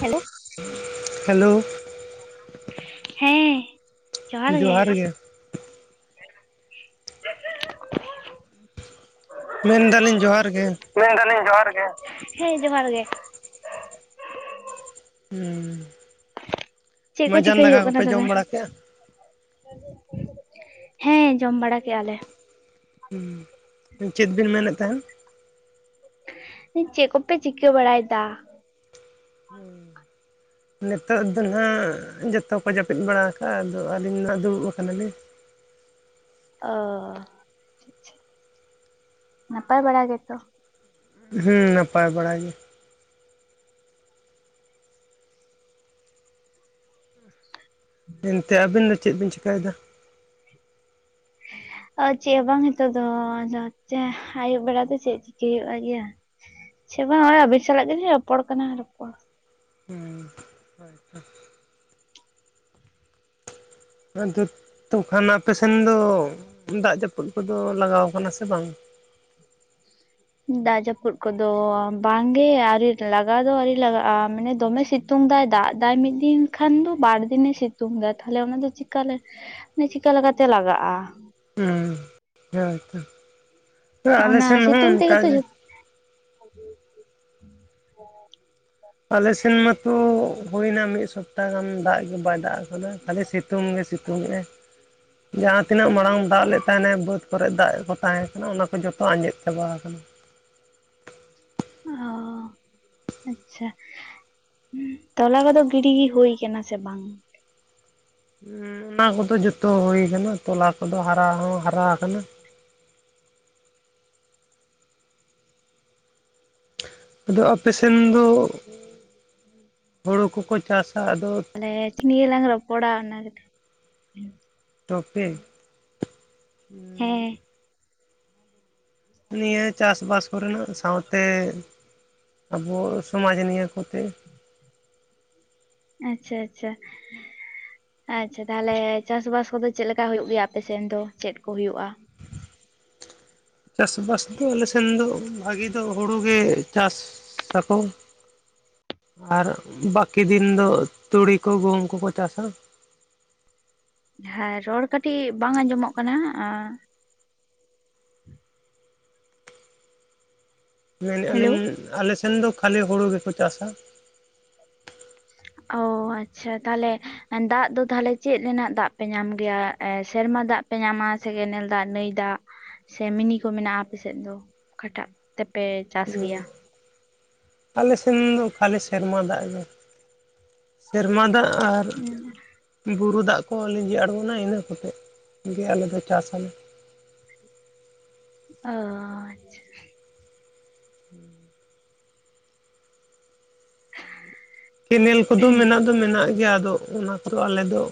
Hello hello ᱦᱮᱸ ᱡᱚᱦᱟᱨ ᱜᱮ [unintelligible] ᱢᱮᱱ ᱫᱟᱞᱤᱧ ᱡᱚᱦᱟᱨ ᱜᱮ ᱢᱮᱱ ᱫᱟᱞᱤᱧ ᱡᱚᱦᱟᱨ ᱜᱮ, ᱦᱮᱸ ᱡᱚᱦᱟᱨ ᱜᱮ ᱦᱩᱸ ᱪᱮᱫ ᱠᱚ ᱢᱟᱡᱟᱱ ᱪᱤᱠᱟᱹᱭ ᱫᱟᱠᱟ ᱦᱩᱭᱩᱜ ᱠᱟᱱᱟ ᱠᱚᱯᱮ ᱡᱚᱢ ᱛᱚᱵᱮ ᱵᱟᱲᱟ ᱠᱮᱜᱼᱟ? ᱦᱮᱸ ᱡᱚᱢ ᱵᱟᱲᱟ ᱠᱮᱜᱼᱟ ᱞᱮ᱾ ᱦᱩᱸ᱾ ᱪᱮᱫ ᱵᱤᱱ ᱢᱮᱱᱮᱫ ᱛᱟᱦᱮᱸᱱ? ᱪᱮᱫ ᱠᱚᱯᱮ ᱪᱤᱠᱟᱹ ᱵᱟᱲᱟᱭᱫᱟ? ᱦᱩᱸ᱾ ᱱᱤᱛᱚᱜ ᱫᱚ ᱱᱟᱦᱟᱜ ᱡᱚᱛᱚ ᱠᱚ ᱡᱟᱹᱯᱤᱫ ᱵᱟᱲᱟ ᱟᱠᱟᱜᱼᱟ ᱟᱫᱚ ᱟᱹᱞᱤᱧ ᱱᱟᱟᱜ ᱫᱩᱲᱩᱵ ᱟᱠᱟᱱᱟ ᱞᱤᱧ᱾ ᱚ᱾ ᱱᱟᱯᱟᱭ ᱵᱟᱲᱟ ᱜᱮᱛᱚ? ᱦᱩᱸ ᱱᱟᱯᱟᱭ ᱵᱟᱲᱟᱭ ᱜᱮ᱾ ᱮᱱᱛᱮ ᱟᱵᱤᱱ ᱫᱚ ᱪᱮᱫ ᱵᱤᱱ ᱪᱤᱠᱟᱹᱭᱮᱫᱟ? ᱪᱮᱫ ᱦᱚᱸ ᱵᱟᱝ ᱱᱤᱛᱚᱜ ᱫᱚ ᱡᱮ ᱟᱹᱭᱩᱵ ᱵᱮᱲᱟ ᱫᱚ ᱪᱮᱫ ᱪᱮ [unintelligible] ᱜᱮᱭᱟ ᱪᱮ ᱦᱚᱸ ᱵᱟᱝ ᱱᱚᱜᱚᱭ ᱟᱹᱵᱤᱱ ᱥᱟᱞᱟᱜ ᱜᱮᱞᱤᱧ ᱨᱚᱯᱚᱲ ᱠᱟᱱᱟ ᱨᱚᱯᱚᱲ᱾ ᱦᱩᱸ᱾ ᱟᱫᱚ ᱛ ᱠᱷᱟᱱ ᱟᱯᱮ ᱥᱮᱱ ᱫᱚ ᱫᱟᱜ ᱡᱟᱹᱯᱩᱫ ᱠᱚᱫᱚ ᱞᱟᱜᱟᱣ ᱠᱟᱱᱟ ᱥᱮ ᱵᱟᱝ? ᱫᱟᱜ ᱡᱟᱯᱩᱫ ᱠᱚᱫᱚ ᱵᱟᱝᱜᱮ ᱟᱨᱣᱨᱤ ᱞᱟᱜᱟᱣ ᱫᱚ ᱟᱹᱣᱨᱤ ᱞᱟᱜᱟᱜᱼᱟ ᱢᱟᱱᱮ ᱫᱚᱢᱮ ᱥᱤ ᱥᱤᱛᱩᱝ ᱫᱟᱭ ᱫᱟᱜ ᱫᱟᱭ ᱢᱤᱫ ᱫᱤᱱ ᱠᱷᱟᱱ ᱫᱚ ᱵᱟᱨ ᱫᱤᱱᱮ ᱥᱤᱛᱩᱝ ᱫᱟᱭ ᱛᱟᱦᱞᱮ ᱚᱱᱟ ᱫᱚ ᱪᱮᱠᱟᱞᱮ ᱪᱤᱠᱟᱹ ᱞᱮᱠᱟᱛᱮ ᱞᱟᱜᱟᱜᱼᱟ᱾ ᱦᱮᱸ ᱦᱮᱭᱛᱚ ᱟᱞᱮ ᱚᱱᱟ ᱥᱮᱱ ᱦᱚᱸ ᱥᱤᱛᱩᱝ ᱛᱮᱜᱮ ᱛᱚ ᱚᱱᱠᱟᱜᱮ᱾ ᱡᱚᱛᱚ ᱟᱞᱮ ᱥᱮᱱ ᱢᱟᱛᱚ ᱦᱩᱭᱱᱟ ᱢᱤᱫ ᱥᱚᱯᱛᱟ ᱜᱟᱱ ᱫᱟᱜ ᱜᱮ ᱵᱟᱭ ᱫᱟᱜ ᱟᱠᱟᱱᱟᱫᱟ᱾ ᱠᱷᱟᱹᱞᱤ ᱥᱤᱛᱩᱝ ᱜᱮ ᱥᱤᱛᱩᱝ ᱜᱮ᱾ ᱡᱟᱦᱟᱸ ᱛᱤᱱᱟᱹᱜ ᱢᱟᱲᱟᱝ ᱫᱟᱜ ᱞᱮᱫ ᱛᱟᱦᱟᱱᱮ ᱵᱟᱹᱫ ᱠᱚᱨᱮ ᱫᱟᱜ ᱠᱚ ᱛᱟᱦᱮᱸ ᱠᱟᱱᱟ ᱚᱱᱟ ᱠᱚ ᱡᱚᱛᱚ ᱟᱸᱡᱮᱫ ᱪᱟᱵᱟ ᱟᱠᱟᱱᱟ᱾ ᱚ ᱟᱪᱪᱷᱟ᱾ ᱦᱩᱸ ᱛᱚᱞᱟ ᱠᱚᱫᱚ ᱜᱤᱰᱤ ᱦᱩᱭ ᱠᱟᱱᱟ ᱥᱮ ᱵᱟᱝ? ᱦᱩᱸ ᱚᱱᱟ ᱠᱚᱫᱚ ᱡᱚᱛᱚ ᱦᱩ ᱟᱠᱟᱱᱟ ᱛᱚᱞᱟ ᱠᱚᱫᱚ ᱦᱟᱨᱟ ᱦᱚᱸ ᱦᱟᱨᱟ ᱟᱠᱟᱱᱟ᱾ ᱟᱫᱚ ᱟᱯᱮᱥᱮᱱ ᱫᱚ ᱦᱳᱲᱩ ᱠᱚᱠᱚ ᱪᱟᱥᱟ ᱟᱫᱚ ᱛᱟᱦᱚᱞᱮ ᱪᱤᱫ ᱱᱤᱭᱟᱹᱞᱟᱝ ᱨᱚᱯᱚᱲᱟ ᱚᱱᱟ ᱜᱮᱛᱚ? ᱦᱮᱸ [unintelligible] ᱱᱤᱭᱟᱹ ᱪᱟᱥᱵᱟᱥ ᱠᱚᱨᱮᱱᱟᱜ ᱥᱟᱶᱛᱮ ᱟᱵᱚ ᱥᱚᱢᱟᱡᱽ ᱱᱤᱭᱟᱹ ᱠᱚᱛᱮ᱾ ᱟᱪᱪᱷᱟ ᱟᱪᱪᱷᱟ᱾ ᱟᱪᱪᱷᱟ ᱛᱟᱦᱞᱮ ᱪᱟᱥᱵᱟᱥ ᱠᱚᱫᱚ ᱪᱮᱫᱞᱮᱠᱟ ᱦᱩᱭᱩᱜ ᱜᱮᱭᱟ ᱟᱯᱮ ᱥᱮᱱ ᱫᱚ ᱪᱮᱫ ᱠᱚ ᱦᱩᱭᱩᱜᱼᱟ? ᱪᱟᱥᱵᱟᱥ ᱫᱚ ᱟᱞᱮ ᱥᱮᱱ ᱫᱚ ᱵᱷᱟᱹᱜᱤ ᱫᱚ ᱦᱩᱲᱩ ᱜᱮ ᱪᱟᱥ ᱟᱠᱚ᱾ ᱟᱨ ᱵᱟᱹᱠᱤ ᱫᱤᱱ ᱫᱚ ᱛᱩᱲᱤ ᱠᱚ ᱜᱩᱦᱩᱢ ᱠᱚᱠᱚ ᱪᱟᱥᱟ‍᱾ ᱦᱮᱸ ᱨᱚᱲ ᱠᱟᱹᱴᱤᱡ ᱵᱟᱝ ᱟᱸᱡᱚᱢᱚᱜ ᱠᱟᱱᱟ? ᱢᱮᱱᱮᱫᱼᱟ ᱦᱮᱞᱳ ᱞᱤᱧ ᱟᱞᱮᱥᱮᱱ ᱫᱚ ᱠᱷᱟᱹᱞᱤ ᱦᱩᱲᱩ ᱜᱮᱠᱚ ᱪᱟᱥᱟ᱾ ᱚ ᱟᱪᱪᱷᱟ ᱛᱟᱦᱞᱮ ᱫᱟᱜ ᱫᱚ ᱛᱟᱦᱞᱮ ᱪᱮᱫ ᱨᱮᱱᱟᱜ ᱫᱟᱜ ᱯᱮ ᱧᱟᱢ ᱜᱮᱭᱟ? ᱥᱮᱨᱢᱟ ᱫᱟᱜ ᱯᱮ ᱧᱟᱢᱟ ᱥᱮ ᱠᱮᱱᱮᱞ ᱫᱟᱜ ᱱᱟᱹᱭ ᱫᱟᱜ ᱥᱮ ᱢᱤᱱᱤ ᱠᱚ ᱢᱮᱱᱟᱜᱼᱟ ᱟᱯ ᱥᱮᱫ ᱫᱚ ᱚᱠᱟᱴᱟᱜ ᱛᱮᱯᱮ ᱪᱟᱥ ᱤᱭᱟᱹ ᱜᱮᱭᱟ ᱟᱞᱮ ᱥᱮᱱ ᱫᱚ ᱠᱷᱟᱞᱤ ᱥᱮᱨᱢᱟ ᱫᱟᱜ ᱜᱮ᱾ ᱥᱮᱨᱢᱟ ᱫᱟᱜ ᱟᱨ, ᱵᱩᱨᱩ ᱫᱟᱜ ᱠᱚ ᱞᱤᱸᱡᱤ ᱟᱲᱜᱚᱱᱟ ᱤᱱᱟᱹ ᱠᱚᱛᱮ ᱜᱮ ᱟᱞᱮ ᱫᱚ ᱪᱟᱥ ᱟᱞᱮ᱾ ᱚ ᱟᱪᱷᱟ᱾ [inaudible] ᱠᱮᱱᱮᱞ ᱠᱚᱫᱚ ᱢᱮᱱᱟᱜ ᱫᱚ ᱢᱮᱱᱟᱜ ᱜᱮᱭᱟ ᱟᱫᱚ ᱚᱱᱟ ᱠᱚᱫᱚ ᱟᱞᱮ ᱫᱚ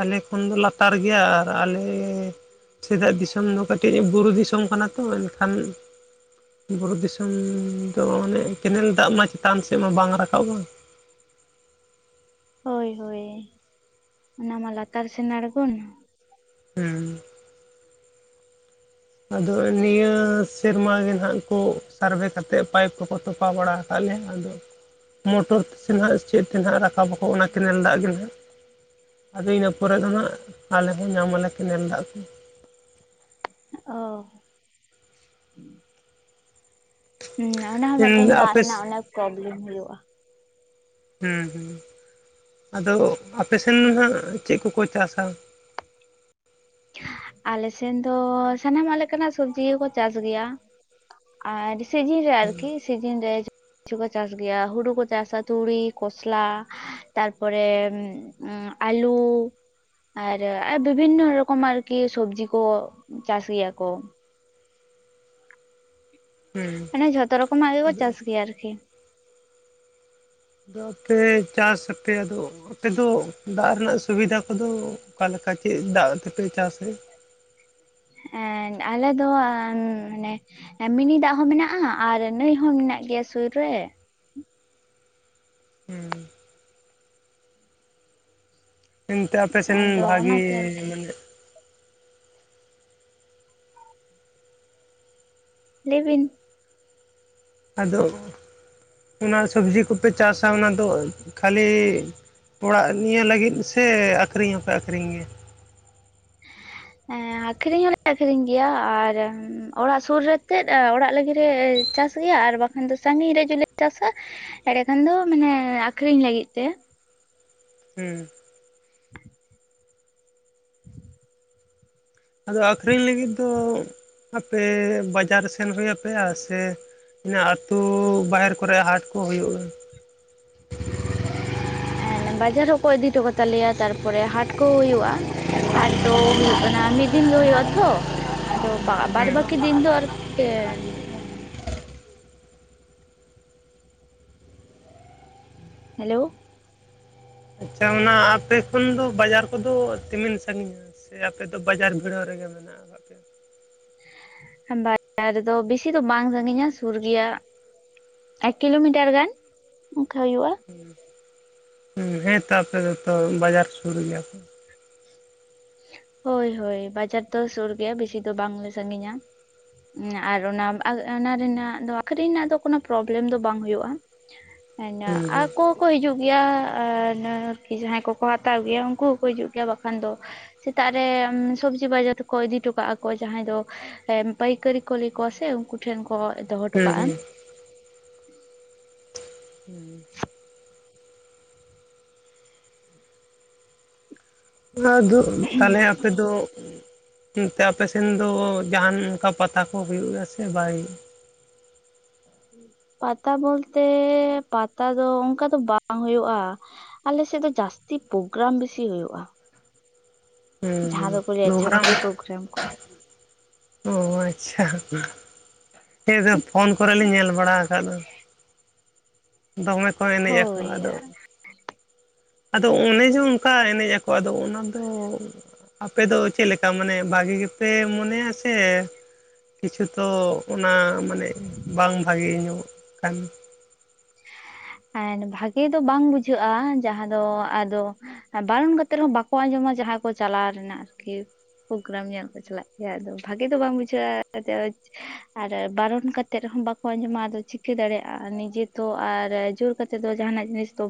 ᱟᱞᱮ ᱠᱷᱚᱱ ᱫᱚ ᱞᱟᱛᱟᱨ ᱜᱮᱭᱟ ᱟᱨ ᱟᱞᱮ ᱥᱮᱫᱟᱜ ᱫᱤᱥᱚᱢ ᱫᱚ ᱠᱟᱹᱴᱤᱡ ᱵᱩᱨᱩ ᱫᱤᱥᱚᱢ ᱠᱟᱱᱟ ᱛᱚ ᱮᱱᱠᱷᱟᱱ ᱵᱩᱨᱩ ᱫᱤᱥᱚᱢ ᱫᱚ ᱢᱟᱱᱮ ᱠᱮᱱᱮᱞ ᱫᱟᱜ ᱢᱟ ᱪᱮᱛᱟᱱ ᱥᱮᱫ ᱢᱟ ᱵᱟᱝ ᱨᱟᱠᱟᱵ ᱟ᱾ ᱦᱳᱭ ᱦᱳᱭ ᱚᱱᱟ ᱢᱟ ᱞᱟᱛᱟᱨ ᱥᱮᱱ ᱟᱲᱜᱳᱱ᱾ ᱦᱩᱸ᱾ ᱟᱫᱚ ᱱᱤᱭᱟᱹ ᱥᱮᱨᱢᱟ ᱜᱮ ᱱᱟᱦᱟᱜ ᱠᱩ ᱥᱟᱨᱵᱷᱮ ᱠᱟᱛᱮᱜ ᱯᱟᱭᱤᱯ ᱠᱚᱠᱚ ᱛᱚᱯᱟ ᱵᱟᱲᱟᱜ ᱛᱟᱞᱦᱮ ᱟᱫᱚ ᱢᱚᱴᱚᱨ ᱛᱮ ᱥᱮ ᱱᱟᱦᱟᱜ ᱪᱮᱫ ᱛᱮᱦᱟᱜ ᱨᱟᱠᱟᱵ ᱟᱠᱚ ᱚᱱᱟ ᱠᱮᱱᱮᱞ ᱫᱟᱜ ᱜᱮ ᱦᱟᱜ ᱟᱫᱚ ᱤᱱᱟᱹ ᱯᱚᱨᱮ ᱫᱚ ᱱᱟᱜ ᱟᱞᱮ ᱦᱚᱸ ᱧᱟᱢ ᱟᱞᱮ ᱠᱮᱱᱮᱞ ᱫᱟᱜ ᱠᱚ ᱚ ᱦᱩᱸ ᱚᱱᱟ ᱦᱚᱸ ᱢᱤᱫᱴᱟᱱ ᱫᱟᱜ ᱟᱯᱮ ᱨᱮᱱᱟᱜ ᱚᱱᱮᱠ ᱯᱨᱚᱵᱞᱮᱢ ᱦᱩᱭᱩᱜᱼᱟ ᱦᱩᱸ ᱦᱩᱸ ᱟᱫᱚ ᱟᱯᱮ ᱥᱮᱱ ᱦᱟᱜ ᱪᱮᱫ ᱠᱚᱠᱚ ᱪᱟᱥᱟ ᱟᱞᱮ ᱥᱮᱱ ᱫᱚ ᱥᱟᱱᱟᱢᱟᱜ ᱞᱮᱠᱟᱱᱟᱜ ᱥᱚᱵᱡᱤ ᱠᱚ ᱠᱚ ᱪᱟᱥ ᱜᱮᱭᱟ ᱟᱨ ᱥᱤᱡᱤᱱ ᱨᱮ ᱟᱨᱠᱤ ᱥᱤᱡᱤᱱ ᱨᱮ ᱠᱤᱪᱷᱩ ᱠᱚ ᱪᱟᱥ ᱜᱮᱭᱟ ᱦᱩᱲᱩ ᱠᱚ ᱪᱟᱥᱟ ᱛᱩᱲᱤ ᱠᱚᱥᱞᱟ ᱛᱟᱨᱯᱚᱨᱮ ᱟᱞᱩ ᱟᱨ ᱵᱤᱵᱷᱤᱱᱱᱚ ᱨᱚᱠ ᱚᱢ ᱟᱨᱠᱤ ᱥᱚᱵᱡᱤ ᱠᱚ ᱪᱟᱥ ᱜᱮᱭᱟ ᱠᱚ ᱦᱩᱸ ᱢᱟᱱᱮ ᱡᱷᱚᱛᱚ ᱨᱚᱠᱚᱢᱟᱜ ᱜᱮᱠᱚ ᱟᱫᱚ ᱪᱟᱥ ᱜᱮᱭᱟ ᱟᱨᱠᱤ ᱟᱫᱚ ᱯᱮ ᱪᱟᱥ ᱟᱯᱮ ᱟᱫᱚ ᱚᱱᱛᱮ ᱫᱚ ᱫᱟᱜ ᱨᱮᱱᱟᱜ ᱥᱩᱵᱤᱫᱷᱟ ᱠᱚ ᱫᱚ ᱚᱠᱟ ᱞᱮᱠᱟ ᱪᱮᱫ ᱫᱟᱜ ᱛᱮᱯᱮ ᱪᱟᱥ ᱮᱫ ᱮᱫ ᱟᱞᱮ ᱫᱚ ᱢᱟᱱᱮ ᱮ ᱢᱤᱱᱤ ᱫᱟᱜ ᱦᱚᱸ ᱢᱮᱱᱟᱜᱼᱟ ᱟᱨ ᱱᱟᱹᱭ ᱦᱚᱸ ᱢᱮᱱᱟᱜ ᱜᱮᱭᱟ ᱥᱩᱨ ᱨᱮ ᱦᱩᱸ ᱮᱱᱛᱮ ᱟᱯᱮ ᱥᱮᱱ ᱟᱫᱚ ᱵᱷᱟᱜᱤ ᱚᱱᱟᱛᱮ ᱢᱮᱱᱮᱫ ᱞᱟᱹᱭ ᱵᱤᱱ ᱟᱫᱚ ᱚᱱᱟ ᱥᱚᱵᱡᱤ ᱠᱚᱯᱮ ᱪᱟᱥᱟ ᱚᱱᱟ ᱫᱚ ᱠᱷᱟᱹᱞᱤ ᱚᱲᱟᱜ ᱱᱤᱭᱟᱹ ᱞᱟᱹᱜᱤᱫ ᱥᱮ ᱟᱹᱠᱷᱨᱤᱧ ᱦᱚᱸᱯᱮ ᱟᱹᱠᱷᱨᱤᱧ ᱜᱮᱭᱟ [inaudible] ᱮᱸ ᱟᱠᱷᱨᱤᱧ ᱦᱚᱞᱮ ᱟᱠᱷᱨᱤᱧ ᱜᱮᱭᱟ ᱟᱨ ᱚᱲᱟᱜ ᱥᱩᱨ ᱨᱮ ᱛᱮᱫ ᱚᱲᱟᱜ ᱞᱟᱹᱜᱤᱫ ᱨᱮ ᱪᱟᱥ ᱜᱮᱭᱟ ᱟᱨ ᱵᱟᱠᱷᱟᱱ ᱫᱚ ᱥᱟᱺᱜᱤᱧ ᱨᱮ ᱡᱩᱫᱤ ᱞᱮ ᱪᱟᱥᱟ ᱮᱸᱰᱮ ᱠᱷᱟᱱ ᱫᱚ ᱢᱟᱱᱮ ᱟᱠᱷᱨᱤᱧ ᱞᱟᱹᱜᱤᱫ ᱛᱮ ᱦᱩᱸ [inaudible] ᱟᱫᱚ ᱟᱠᱷᱨᱤᱧ ᱞᱟᱹᱜᱤᱫ ᱫᱚ ᱟᱯᱮ ᱵᱟᱡᱟᱨ ᱥᱮᱱ ᱦᱩᱭ ᱟᱯᱮᱭᱟ ᱥᱮ ᱚᱱᱟ ᱟᱹᱛᱩ ᱵᱟᱦᱮᱨ ᱠᱚᱨᱮ ᱦᱟᱴ ᱠᱚ ᱦᱩᱭᱩᱜᱼᱟ ᱮᱸᱱ ᱵᱟᱡᱟᱨ ᱦᱚᱸᱠᱚ ᱤᱫᱤ ᱦᱚᱴᱚ ᱠᱟᱛᱟᱞᱮᱭᱟ ᱛᱟᱨ ᱯᱚᱨᱮ ᱦᱟᱴ ᱠᱚ ᱦᱩᱭᱩᱜᱼᱟ ᱦᱟᱴ ᱫᱚ ᱦᱩᱭᱩᱜ ᱠᱟᱱᱟ ᱢᱤᱫ ᱫᱤᱱ ᱜᱮ ᱦᱩᱭᱩᱜ-ᱟ ᱛᱚ ᱟᱫᱚ ᱵᱟ ᱵᱟᱫᱽ ᱦᱮᱸ ᱵᱟᱹᱠᱤ ᱫᱤᱱ ᱫᱚ ᱟᱨ ᱯᱮ ᱦᱮᱞᱳ ᱟᱪᱪᱷᱟ ᱚᱱᱟ ᱟᱯᱮ ᱠᱷᱚᱱ ᱫᱚ ᱵᱟᱡᱟᱨ ᱠᱚ ᱫᱚ ᱛᱤᱢᱤᱱ ᱥᱟᱺᱜᱤᱧᱟ ᱥᱮ ᱟᱯᱮ ᱫᱚ ᱵᱟᱡᱟᱨ ᱵᱷᱤᱲᱟᱹᱣ ᱨᱮ ᱜᱮ ᱢᱮᱱᱟᱜ ᱟᱠᱟᱫ ᱯᱮᱭᱟ ᱵᱟᱡᱟᱨ ᱫᱚ ᱵᱮᱥᱤ ᱫᱚ ᱵᱟᱝ ᱥᱟᱺᱜᱤᱧᱟ ᱥᱩᱨ ᱜᱮᱭᱟ ᱮᱠ ᱠᱤᱞᱳᱢᱤᱴᱟᱨ ᱜᱟᱱ ᱚᱱᱠᱟ ᱦᱩᱭᱩᱜᱼᱟ ᱦᱩᱸ ᱦᱩᱸ ᱦᱮᱸᱛᱚ ᱟᱯᱮ ᱫᱚ ᱛᱚ ᱵᱟᱡᱟᱨ ᱥᱩᱨ ᱜᱮᱭᱟ ᱯᱮ ᱦᱳᱭ ᱦᱳᱭ ᱵᱟᱡᱟᱨ ᱫᱚ ᱥᱩᱨ ᱜᱮᱭᱟ ᱵᱮᱥᱤ ᱫᱚ ᱵᱟᱝ ᱞᱮ ᱥᱟᱺᱜᱤᱧᱟ ᱟᱨ ᱚᱱᱟ ᱮᱱᱟ ᱨᱮᱱᱟᱜ ᱫᱚ ᱟᱠᱷᱨᱤᱧ ᱨᱮᱱᱟᱜ ᱫᱚ ᱠᱳᱱᱳ ᱯᱨᱚᱵᱽᱞᱮᱢ ᱫᱚ ᱵᱟᱝ ᱦᱩᱭᱩᱜᱼᱟ [inaudible] ᱤᱧᱟ ᱦᱩᱸ ᱟᱠᱚ ᱠᱚ ᱦᱤᱡᱩᱜ ᱜᱮᱭᱟ ᱟᱨ ᱟᱨᱠᱤ ᱡᱟᱦᱟᱸᱭ ᱠᱚ ᱠᱚ ᱦᱟᱛᱟᱣ ᱜᱮᱭᱟ ᱩᱱᱠᱩ ᱦᱚᱸᱠᱚ ᱦᱤᱡᱩᱜ ᱜᱮᱭᱟ ᱵᱟᱠᱷᱟᱱ ᱫᱚ ᱥᱮᱛᱟᱜ ᱨᱮ ᱥᱚᱵᱽᱡᱤ ᱵᱟᱡᱟᱨ ᱛᱮ ᱠᱚ ᱤᱫᱤ ᱦᱚᱴᱚ ᱠᱟᱜᱼᱟ ᱠᱚ ᱡᱟᱦᱟᱸᱭ ᱫᱚ ᱮ ᱯᱟᱹᱭᱠᱟᱹᱨᱤ ᱠᱩ ᱞᱤᱭ ᱠᱚᱣᱟ ᱥᱮ ᱩᱱᱠᱩ ᱴᱷᱮᱱ ᱠᱚ ᱫᱚᱦᱚ ᱦᱚᱴᱚ ᱦᱩᱸ ᱠᱟᱜᱼᱟ ᱦᱩᱸ ᱦᱩᱸ ᱟᱫᱚ ᱛᱟᱞᱦᱮ ᱟᱯᱮ ᱫᱚ ᱚᱱᱛᱮ ᱟᱯᱮ ᱥᱮᱱ ᱫᱚ ᱡᱟᱦᱟᱱ ᱚᱱᱠᱟ ᱯᱟᱛᱟ ᱠᱚ ᱦᱩᱭᱩᱜᱼᱟ ᱥᱮ ᱵᱟᱭ ᱦᱩᱭᱩᱜ-ᱟ ᱯᱟᱛᱟ ᱵᱚᱞᱛᱮ ᱯᱟᱛᱟ ᱫᱚ ᱚᱱᱠᱟ ᱫᱚ ᱵᱟᱝ ᱦᱩᱭᱩᱜᱼᱟ ᱟᱞᱮ ᱥᱮᱫ ᱫᱚ ᱡᱟᱹᱥᱛᱤ ᱯᱳᱜᱽ ᱜᱨᱟᱢ ᱵᱮᱥᱤ ᱦᱩᱭᱩᱜᱼᱟ ᱡᱟᱦᱟᱸ ᱦᱩᱸ ᱫᱚᱠᱚ ᱞᱟᱹᱭᱟ ᱯᱨᱳᱜᱨᱟᱢ ᱪᱷᱟᱯᱨᱤ ᱯᱨᱳᱜᱨᱟᱢ ᱠᱚ ᱚ ᱟᱪᱪᱷᱟ ᱦᱮᱸ ᱟᱫᱚ ᱯᱷᱳᱱ ᱠᱚᱨᱮ ᱞᱮ ᱧᱮᱞ ᱵᱟᱲᱟ ᱟᱠᱟᱫ ᱫᱚ ᱫᱚᱢᱮ ᱠᱚ ᱮᱱᱮᱡ ᱟᱠᱚ ᱦᱳᱭ ᱟᱫᱚ ᱟᱫᱚ ᱚᱱᱮ ᱡᱮ ᱚᱱᱠᱟ ᱮᱱᱮᱡ ᱟᱠᱚ ᱟᱫᱚ ᱚᱱᱟ ᱫᱚ ᱟᱯᱮ ᱫᱚ ᱪᱮᱫ ᱞᱮᱠᱟ ᱢᱟᱱᱮ ᱵᱷᱟᱜᱤ ᱜᱮᱯᱮ ᱢᱚᱱᱮᱭᱟ ᱥᱮ ᱠᱤᱪᱷᱩ ᱛᱚ ᱚᱱᱟ ᱢᱟᱱᱮ ᱵᱟᱝ ᱵᱷᱟᱜᱮ ᱧᱚᱜ ᱠᱟᱱ ᱮᱱᱰ ᱵᱷᱟᱜᱮ ᱫᱚ ᱵᱟᱝ ᱵᱩᱡᱷᱟᱹᱜᱼᱟ ᱡᱟᱦᱟᱸ ᱫᱚ ᱟᱫᱚ ᱵᱟᱨᱚᱱ ᱠᱟᱛᱮᱜ ᱨᱮ ᱦᱚᱸ ᱵᱟᱠᱚ ᱟᱸᱡᱚᱢᱟ ᱡᱟᱦᱟᱸᱭ ᱠᱚ ᱪᱟᱞᱟᱣ ᱨᱮᱱᱟᱜ ᱟᱨᱠᱤ᱾ ᱯᱳᱜ ᱜᱨᱟᱢ ᱧᱮᱞ ᱠᱚ ᱪᱟᱞᱟᱜ ᱜᱮᱭᱟ ᱟᱫᱚ ᱵᱷᱟᱜᱮ ᱫᱚ ᱵᱟᱝ ᱵᱩᱡᱷᱟᱹᱜᱼᱟ [unintelligible] ᱟᱨ ᱵᱟᱨᱚᱱ ᱠᱟᱛᱮ ᱨᱮ ᱦᱚᱸ ᱵᱟᱠᱚ ᱟᱸᱡᱚᱢᱟ ᱟᱫᱚ ᱪᱤᱠᱟᱹ ᱫᱟᱲᱮᱭᱟᱜᱼᱟ ᱱᱤᱡᱮ ᱛᱚ ᱟᱨ ᱡᱳᱨ ᱠᱟᱛᱮᱫ ᱫᱚ ᱡᱟᱦᱟᱱᱟᱜ ᱡᱤᱱᱤᱥ ᱫᱚ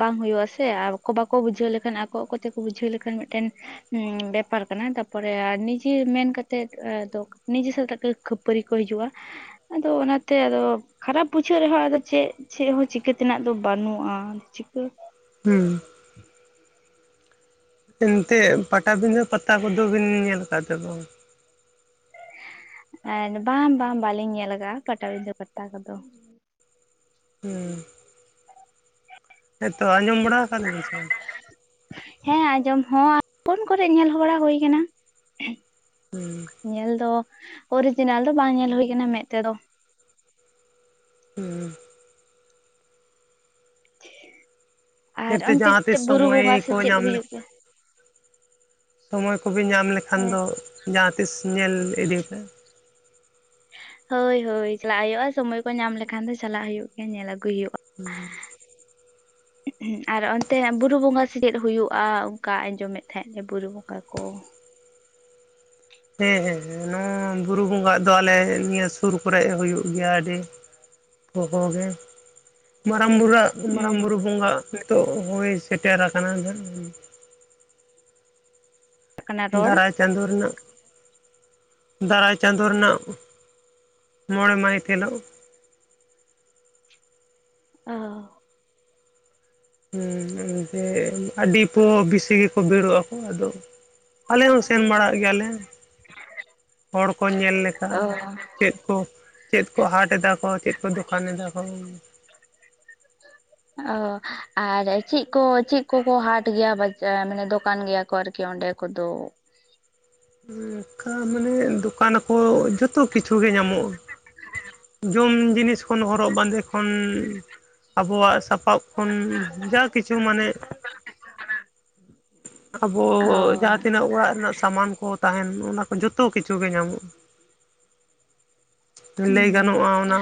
ᱵᱟᱝ ᱦᱩᱭᱩᱜ ᱟᱥᱮ ᱟᱨ ᱟᱠᱚ ᱵᱟᱠᱚ ᱵᱩᱡᱷᱟᱹᱣ ᱞᱮᱠᱷᱟᱱ ᱟᱠᱚ ᱟᱠᱚ ᱛᱮᱠᱚ ᱵᱩᱡᱷᱟᱹᱣ ᱞᱮᱠᱷᱟᱱ ᱢᱤᱫ ᱴᱮᱱ ᱦᱩᱸ ᱵᱮᱯᱟᱨ ᱠᱟᱱᱟ ᱛᱟᱯᱚᱨᱮ ᱱᱤᱡᱮ ᱢᱮᱱ ᱠᱟᱛᱮᱜ ᱮ ᱫᱚ ᱱᱤᱡᱮ ᱥᱟᱛᱮᱜ ᱜᱮ ᱠᱷᱟᱹᱯᱟᱹᱨᱤ ᱠᱚ ᱦᱤᱡᱩᱜᱼᱟ ᱟᱫᱚ ᱚᱱᱟ ᱛᱮ ᱟᱫᱚ ᱠᱷᱟᱨᱟᱯ ᱵᱩᱡᱷᱟᱹᱜ ᱨᱮᱦᱚᱸ ᱟᱫᱚ ᱪᱮᱫ ᱪᱮᱫ ᱦᱚᱸ ᱪᱤᱠᱟᱹ ᱛᱮᱱᱟᱜ ᱫᱚ ᱵᱟᱹᱱᱩᱜᱼᱟ᱾ ᱪᱤᱠᱟᱹ ᱦᱩᱸ ᱮᱱᱛᱮᱫ ᱯᱟᱴᱟᱵᱤᱸᱷᱟᱹ ᱯᱟᱛᱟ ᱠᱚᱫᱚ ᱵᱤᱱ ᱧᱮᱞ ᱟᱠᱟᱫ ᱥᱮ ᱵᱟᱝ? [unintelligible] ᱵᱟᱝ ᱵᱟᱝ ᱵᱟᱞᱤᱧ ᱧᱮᱞ ᱠᱟᱜᱼᱟ ᱯᱟᱴᱟᱵᱤᱸᱷᱟᱹ ᱯᱟᱛᱟ ᱠᱚᱫᱚ᱾ ᱦᱩᱸ ᱦᱮᱸᱛᱚ ᱟᱧᱸᱡᱚᱢ ᱵᱟᱲᱟ ᱠᱟᱫ ᱜᱮ ᱥᱮ ᱵᱟᱝ? ᱦᱮᱸ ᱟᱸᱡᱚᱢ ᱦᱚᱸ ᱟ ᱯᱷᱳᱱ ᱠᱚᱨᱮ ᱧᱮᱞ ᱵᱟᱲᱟ ᱦᱳᱭ ᱠᱟᱱᱟ᱾ ᱦᱩᱸ ᱧᱮᱞ ᱫᱚ ᱚᱨᱤᱡᱤᱱᱟᱞ ᱫᱚ ᱵᱟᱝ ᱧᱮᱞ ᱦᱩᱭ ᱠᱟᱱᱟ ᱢᱮᱫ ᱛᱮᱫᱚ᱾ ᱦᱩᱸ [unintelligible] ᱟᱨ ᱡᱮᱛᱮ ᱚᱱᱛᱮ ᱡᱟᱦᱟᱸ ᱛᱤᱥ ᱪᱮᱫ ᱵᱩᱨᱩ ᱥᱚᱢᱚᱭ ᱵᱚᱸᱜᱟ ᱥᱮ ᱠᱚ ᱪᱮᱫ ᱧᱟᱢ ᱦᱩᱭᱩᱜ ᱞᱮᱠᱷᱟ ᱜᱮᱭᱟ ᱥᱚᱢᱚᱭ ᱠᱚᱵᱤ ᱧᱟᱢ ᱞᱮᱠᱷᱟᱱ ᱫᱚ ᱡᱟᱦᱟᱸᱛᱤᱥ ᱧᱮᱞ ᱤᱫᱤ ᱯᱮ᱾ ᱦᱳᱭ ᱦᱳᱭ ᱪᱟᱞᱟᱜ ᱦᱩᱭᱩᱜᱼᱟ ᱥᱳᱢᱳᱭ ᱠᱚ ᱧᱟᱢ ᱞᱮᱠᱷᱟᱱ ᱫᱚ ᱪᱟᱞᱟᱜ ᱦᱩᱭᱩᱜ ᱜᱮᱭᱟ ᱧᱮᱞ ᱟᱹᱜᱩᱭ ᱦᱩᱭᱩᱜᱼᱟ᱾ ᱦᱩᱸ ᱟᱨ ᱚᱱᱛᱮ ᱵᱩᱨᱩ ᱵᱚᱸᱜᱟ ᱥᱮ ᱪᱮᱫ ᱦᱩᱭᱩᱜᱼᱟ ᱚᱱᱠᱟ ᱟᱸᱡᱚᱢᱮᱫ ᱛᱟᱦᱮᱸᱫ ᱞᱮ ᱵᱩᱨᱩ ᱵᱚᱸᱜᱟ ᱠᱚ ᱦᱮᱸ ᱦᱮᱸ ᱱᱚᱣᱟ ᱵᱩᱨᱩ ᱵᱚᱸᱜᱟᱜ ᱫᱚ ᱟᱞᱮ ᱱᱤᱭᱟᱹ ᱥᱩᱨ ᱠᱚᱨᱮ ᱦᱩᱭᱩᱜ ᱜᱮᱭᱟ᱾ ᱟᱹᱰᱤ [unintelligible] ᱢᱟᱨᱟᱝ ᱵᱩᱨᱩᱣᱟᱜ ᱢᱟᱨᱟᱝ ᱦᱩᱸ ᱵᱩᱨᱩ ᱵᱚᱸᱜᱟᱜ ᱱᱤᱛᱚᱜ ᱦᱳᱭ ᱥᱮᱴᱮᱨ ᱟᱠᱟᱱᱟ᱾ ᱠᱟᱱᱟ ᱨᱚᱲ ᱫᱟᱨᱟᱭ ᱪᱟᱸᱫᱳ ᱨᱮᱱᱟᱜ ᱫᱟᱨᱟᱭ ᱪᱟᱸᱫᱳ ᱨᱮᱱᱟᱜ ᱢᱚᱬᱮ ᱢᱟᱹᱦᱤᱛ ᱦᱤᱞᱳᱜ ᱚ ᱦᱮᱸ ᱡᱮ ᱟᱹᱰᱤ ᱯᱚ ᱵᱤᱥᱤ [unintelligible] ᱟᱠᱚ ᱟᱫᱚ ᱟᱞᱮ ᱦᱚᱸ ᱥᱮᱱ ᱵᱟᱲᱟᱜ ᱜᱮᱭᱟᱞᱮ᱾ ᱦᱚᱲ ᱠᱚ ᱧᱮᱞ ᱞᱮᱠᱟ᱾ ᱚ ᱪᱮᱫ ᱠᱚ ᱪᱮᱫ ᱠᱚ ᱦᱟᱴ ᱮᱫᱟ ᱠᱚ ᱪᱮᱫ ᱠᱚ ᱫᱚᱠᱟᱱ ᱮᱫᱟ ᱠᱚ? ᱚ ᱟᱨ ᱪᱮᱫ ᱠᱚ ᱪᱮᱫ ᱠᱚᱠᱚ ᱦᱟᱴ ᱜᱮᱭᱟ ᱵᱟᱡᱟᱨ ᱫᱚᱠᱟᱱ ᱜᱮᱭᱟ ᱠᱚ ᱟᱨᱠᱤ ᱚᱸᱰᱮ ᱠᱚᱫᱚ ᱚᱝᱠᱟ ᱢᱟᱱᱮ ᱫᱚᱠᱟᱱ ᱟᱠᱚ ᱡᱚᱛᱚ ᱠᱤᱪᱷᱩ ᱜᱮ ᱧᱟᱢᱚᱜᱼᱟ᱾ ᱡᱚᱢ ᱡᱤᱱᱤᱥ ᱠᱷᱚᱱ ᱦᱚᱨᱚᱜ ᱵᱟᱸᱫᱮ ᱠᱷᱚᱱ ᱟᱵᱚᱣᱟᱜ ᱥᱟᱯᱟᱯ ᱠᱷᱚᱱ ᱡᱟ ᱠᱤᱪᱷᱩ ᱢᱟᱱᱮ ᱟᱵᱚ ᱚ ᱡᱟᱦᱟᱸ ᱛᱤᱱᱟᱹᱜ ᱚᱲᱟᱜ ᱨᱮᱱᱟᱜ ᱥᱟᱢᱟᱱ ᱠᱚ ᱛᱟᱦᱮᱱ ᱚᱱᱟ ᱠᱚ ᱡᱚᱛᱚ ᱠᱤᱪᱷᱩ ᱜᱮ ᱧᱟᱢᱚᱜᱼᱟ᱾ ᱞᱟᱹᱭ ᱜᱟᱱᱚᱜᱼᱟ ᱦᱩᱸ ᱚᱱᱟ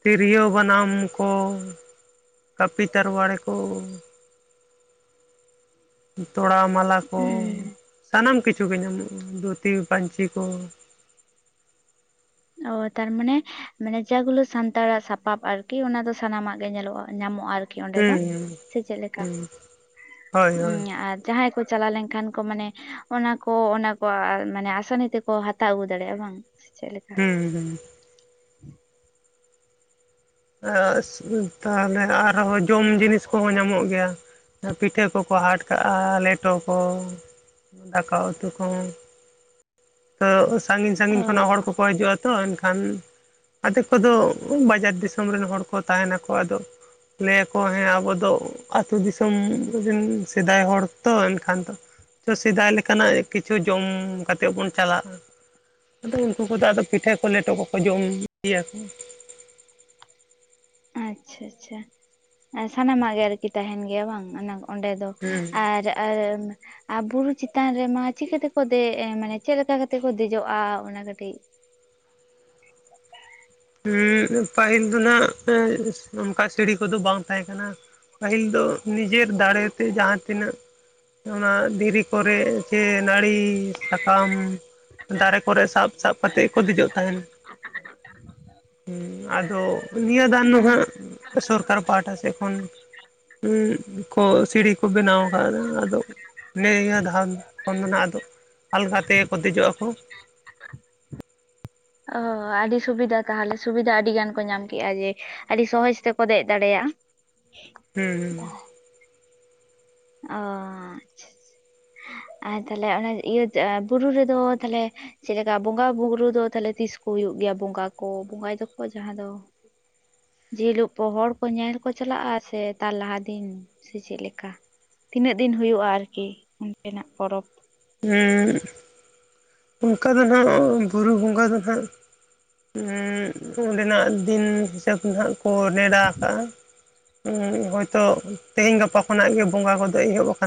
ᱛᱤᱨᱭᱳ ᱵᱟᱱᱟᱢ ᱠᱚ ᱠᱟᱹᱯᱤ ᱛᱟᱨᱣᱟᱲᱮ ᱠᱚ ᱛᱚᱲᱟ ᱢᱟᱞᱟ ᱠᱚ ᱥᱟᱱᱟᱢ ᱠᱤᱪᱷᱩ ᱜᱮ ᱧᱟᱢᱚᱜᱼᱟ᱾ ᱫᱷᱩᱛᱤ ᱯᱟᱹᱧᱪᱤ ᱠᱚ ᱚ ᱛᱟᱨᱢᱟᱱᱮ ᱢᱟᱱᱮ ᱡᱟᱜᱩᱞᱟᱹ ᱥᱟᱱᱛᱟᱲᱟᱜ ᱥᱟᱯᱟᱵ ᱟᱨᱠᱤ ᱚᱱᱟ ᱫᱚ ᱥᱟᱱᱟᱢᱟᱜ ᱜᱮ ᱧᱮᱞᱚᱜᱼᱟ᱾ ᱧᱟᱢᱚᱜᱼᱟ ᱟᱨᱠᱤ ᱚᱸᱰᱮ ᱫᱚ ᱦᱩᱸ ᱥᱮ ᱪᱮᱫ ᱞᱮᱠᱟ ᱦᱩᱸ ᱦᱳᱭ ᱦᱳᱭ ᱟᱨ ᱡᱟᱦᱟᱸᱭ ᱠᱚ ᱪᱟᱞᱟᱣ ᱞᱮᱱᱠᱷᱟᱱ ᱠᱚ ᱢᱟᱱᱮ ᱚᱱᱟ ᱠᱚ ᱚᱱᱟ ᱠᱚ ᱢᱟᱱᱮ ᱟᱥᱟᱱᱤ ᱛᱮᱠᱚ ᱦᱟᱛᱟᱣ ᱟᱹᱜᱩ ᱫᱟᱲᱮᱭᱟᱜᱼᱟ ᱵᱟᱝ᱾ ᱪᱮᱞᱮ ᱦᱩᱸ ᱦᱩᱸ [inaudible] [unintelligible] ᱛᱟᱦᱞᱮ ᱟᱨᱦᱚᱸ ᱡᱚᱢ ᱡᱤᱱᱤᱥ ᱠᱚᱦᱚᱸ ᱧᱟᱢᱚᱜ ᱜᱮᱭᱟ ᱯᱤᱴᱷᱟᱹ ᱠᱚᱠᱚ ᱦᱟᱴ ᱠᱟᱜᱼᱟ ᱞᱮᱴᱚ ᱠᱚ ᱫᱟᱠᱟ ᱩᱛᱩ ᱠᱚ [unintelligible] ᱥᱟᱺᱜᱤᱧ ᱚ ᱥᱟᱺᱜᱤᱧ ᱠᱷᱚᱱᱟᱜ ᱦᱚᱲ ᱠᱚᱠᱚ ᱦᱤᱡᱩᱜᱼᱟ ᱛᱚ ᱮᱱᱠᱷᱟᱱ ᱟᱫᱷᱮᱠ ᱠᱚᱫᱚ ᱵᱟᱡᱟᱨ ᱫᱤᱥ ᱥᱚᱢ ᱨᱮᱱ ᱦᱚᱲ ᱠᱚ ᱛᱟᱦᱮᱱᱟᱠᱚ ᱟᱫᱚ ᱞᱟᱹᱭᱟᱠᱚ ᱦᱮᱸ ᱟᱵᱚ ᱫᱚ ᱟᱹᱛᱩ ᱫᱤᱥᱚᱢ ᱨᱮᱱ ᱥᱮᱫᱟᱭ ᱦᱚᱲ ᱛᱚ ᱮᱱᱠᱷᱟᱱ ᱫᱚ ᱛᱚ ᱥᱮᱫᱟᱭ ᱞᱮᱠᱟᱱᱟᱜ ᱠᱤᱪᱷᱩ ᱡᱚᱢ ᱠᱟᱛᱮᱫ ᱵᱚᱱ ᱪᱟᱞᱟᱜᱼᱟ ᱦᱩᱸ ᱩᱱᱠᱩ ᱫᱚ ᱟᱫᱚ ᱯᱤᱴᱷᱟᱹ ᱠᱚ ᱞᱮᱴᱚ ᱠᱚᱠᱚ ᱡᱚᱢ ᱜᱮᱭᱟ ᱠᱚ ᱟᱪᱪᱷᱟ ᱟᱪᱪᱷᱟ ᱥᱟᱱᱟᱢᱟᱜ ᱜᱮ ᱟᱨᱠᱤ ᱛᱟᱦᱮᱱ ᱜᱮᱭᱟ ᱵᱟᱝ ᱚᱱᱟ ᱠᱚ ᱚᱸᱰᱮ ᱫᱚ ᱦᱩᱸ ᱟᱨ ᱟᱨ ᱟᱨ ᱵᱩᱨᱩ ᱪᱮᱛᱟᱱ ᱨᱮᱢᱟ ᱪᱤᱠᱟᱹ ᱛᱮᱠᱚ ᱫᱮᱡ ᱢᱟᱱᱮ ᱪᱮᱫ ᱞᱮᱠᱟ ᱠᱟᱛᱮ ᱠᱚ ᱫᱮᱡᱚᱜᱼᱟ ᱚᱱᱟ ᱠᱟᱹᱴᱤᱡ ᱩᱸ ᱯᱟᱹᱦᱤᱞ ᱫᱚ ᱱᱟᱜ [unintelligible] ᱚᱱᱠᱟ ᱥᱤᱲᱤ ᱠᱚᱫᱚ ᱵᱟᱝ ᱛᱟᱦᱮᱸ ᱠᱟᱱᱟ ᱯᱟᱹᱦᱤᱞ ᱫᱚ ᱱᱤᱡᱮᱨ ᱫᱟᱲᱮᱛᱮ ᱡᱟᱦᱟᱸ ᱛᱤᱱᱟᱹᱜ ᱚᱱᱟ ᱫᱷᱤᱨᱤ ᱠᱚᱨᱮ ᱥᱮ ᱱᱟᱹᱲᱤ ᱥᱟᱠᱟᱢ ᱫᱟᱨᱮ ᱠᱚᱨᱮ ᱥᱟᱵ ᱥᱟᱵ ᱠᱟᱛᱮᱫ ᱜᱮᱠᱚ ᱫᱮᱡᱚᱜ ᱛᱟᱦᱮᱱ ᱦᱩᱸ ᱟᱫᱚ ᱱᱤᱭᱟᱹ ᱫᱟᱱ ᱫᱚᱦᱟᱜ ᱥᱚᱨᱠᱟᱨ ᱯᱟᱦᱴᱟ ᱥᱮᱫ ᱠᱷᱚᱱ ᱩᱸᱜ ᱠᱚ ᱥᱤᱲᱤ ᱠᱚ ᱵᱮᱱᱟᱣ ᱠᱟᱫᱟ ᱟᱫᱚ ᱱᱤᱭᱟᱹ ᱫᱷᱟᱣ ᱠᱷᱚᱱ ᱫᱚ ᱱᱟᱜ ᱟᱫᱚ ᱟᱞᱜᱟ ᱛᱮᱜᱮ ᱠᱚ ᱫᱮᱡᱚᱜ-ᱟ ᱠᱚ ᱚᱻ ᱟᱹᱰᱤ ᱥᱩᱵᱤᱫᱷᱟ ᱛᱟᱦᱞᱮ ᱥᱩᱵᱤᱫᱷᱟ ᱟᱹᱰᱤ ᱜᱟᱱ ᱠᱚ ᱧᱟᱢ ᱠᱮᱜᱼᱟ ᱡᱮ ᱟᱹᱰᱤ ᱥᱚᱦᱚᱡ ᱛᱮᱠᱚ ᱫᱮᱡ ᱫᱟᱲᱮᱭᱟᱜᱼᱟ ᱦᱩᱸᱻ ᱦᱩᱸᱻ ᱚᱻ, ᱟᱨ ᱛᱟᱦᱞᱮ ᱚᱱᱟ ᱤᱭᱟᱹ ᱵᱩᱨᱩ ᱨᱮᱫᱚ ᱛᱟᱦᱞᱮ ᱪᱮᱫ ᱞᱮᱠᱟ ᱵᱚᱸᱜᱟ ᱵᱩᱨᱩ ᱫᱚ ᱛᱟᱦᱞᱮ ᱛᱤᱥ ᱠᱚ ᱦᱩᱭᱩᱜ ᱜᱮᱭᱟ ᱵᱚᱸᱜᱟ ᱠᱚ, ᱵᱚᱸᱜᱟᱭ ᱫᱚᱠᱚ ᱡᱟᱦᱟᱸ ᱫᱚ ᱡᱮᱞᱳᱜ ᱠᱚ ᱦᱚᱲ ᱠᱚ ᱧᱮᱞ ᱠᱚ ᱪᱟᱞᱟᱜᱼᱟ ᱥᱮ ᱛᱟᱨ ᱞᱟᱦᱟ ᱫᱤᱱ ᱥᱮ ᱪᱮᱫ ᱞᱮᱠᱟ ᱛᱤᱱᱟᱹᱜ ᱫᱤᱱ ᱦᱩᱭᱩᱜᱼᱟ ᱟᱨᱠᱤ ᱚᱱᱛᱮᱱᱟᱜ ᱯᱚᱨᱚᱵᱽ ᱦᱩᱸᱻ ᱚᱱᱠᱟ ᱫᱚ ᱱᱟᱜ ᱵᱩᱨᱩ ᱵᱚᱸᱜᱟ ᱫᱚ ᱦᱟᱸᱜ ᱩᱸᱻ ᱚᱸᱰᱮᱱᱟᱜ ᱫᱤᱱ ᱦᱤᱥᱟᱹᱵ ᱜᱮᱦᱟᱸᱜ ᱠᱚ ᱱᱮᱰᱟ ᱠᱟᱜᱼᱟ ᱩᱸᱻ ᱦᱚᱭᱛᱚ ᱛᱮᱦᱮᱸᱧ ᱜᱟᱯᱟ ᱠᱷᱚᱱᱟᱜ ᱜᱮ ᱵᱚᱸᱜᱟ ᱠᱚᱫᱚ ᱮᱦᱚᱵ ᱟᱠᱟ